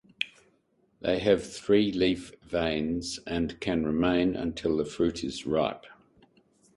They have three leaf veins and can remain until the fruit is ripe.